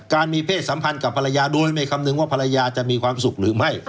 มีเพศสัมพันธ์กับภรรยาโดยไม่คำนึงว่าภรรยาจะมีความสุขหรือไม่